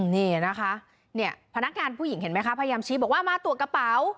นี่นะคะเนี่ยพนักงานผู้หญิงเห็นไหมคะพยายามชี้บอกว่ามาตรวจกระเป๋า